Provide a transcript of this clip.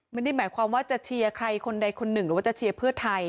ไม่ได้หมายความว่าจะเชียร์ใครคนใดคนหนึ่งหรือว่าจะเชียร์เพื่อไทย